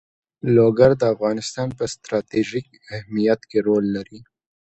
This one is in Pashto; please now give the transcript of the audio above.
لوگر د افغانستان په ستراتیژیک اهمیت کې رول لري.